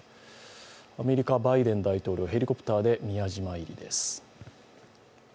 アメリカ・バイデン大統領、ヘリコプターで宮島入りです。